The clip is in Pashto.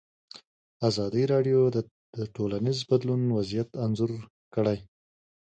ازادي راډیو د ټولنیز بدلون وضعیت انځور کړی.